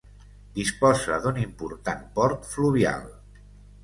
Disposa d'un important port fluvial.